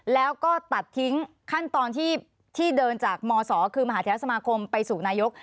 แล้วก็ตัดทิ้งขั้นตอนที่เดินจากมศคือมหาเทศสมาคมไปสู่นายก